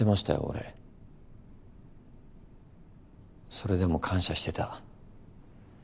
それでも感謝してた。